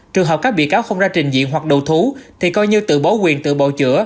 trường hợp các bị cáo không ra trình diện hoặc đồ thú thì coi như tự bố quyền tự bầu chữa